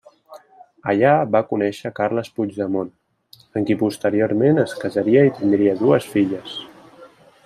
Allà va conèixer Carles Puigdemont, amb qui posteriorment es casaria i tindria dues filles.